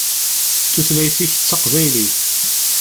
Tutlayt-ik d taqbaylit.